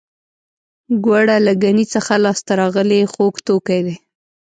ګوړه له ګني څخه لاسته راغلی خوږ توکی دی